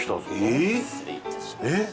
えっ！？